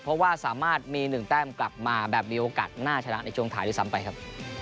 เพราะว่าสามารถมี๑แต้มกลับมาแบบมีโอกาสน่าชนะในช่วงท้ายด้วยซ้ำไปครับ